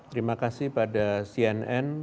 terima kasih pada cnn